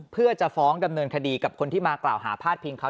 เพื่อจะฟ้องดำเนินคดีกับคนที่มากล่าวหาพาดพิงเขา